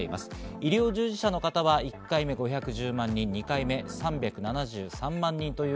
医療従事者の方は１回目５１０万人、２回目３７３万人。